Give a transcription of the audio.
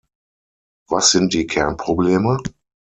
Was sind die Kernprobleme?